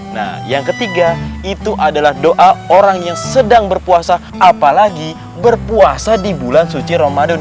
nah yang ketiga itu adalah doa orang yang sedang berpuasa apalagi berpuasa di bulan suci ramadan